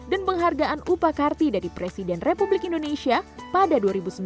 dan penghargaan upacarti dari presiden republik indonesia pada dua ribu sembilan